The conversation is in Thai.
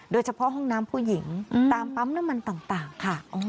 โดยเฉพาะห้องน้ำผู้หญิงตามปั๊มน้ำมันต่างค่ะ